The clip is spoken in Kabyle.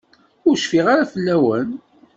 Ur cfiɣ ara fell-awen.